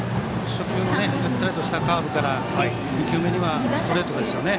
初球のゆったりしたカーブから２球目にはストレートですよね。